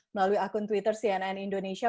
melalui akun twitter cnn indonesia